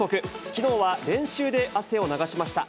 きのうは練習で汗を流しました。